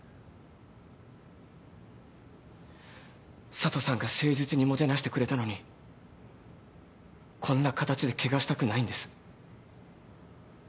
佐都さんが誠実にもてなしてくれたのにこんな形で汚したくないんです。